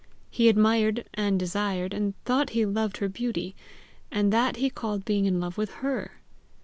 He admired, and desired, and thought he loved her beauty, and that he called being in love with HER!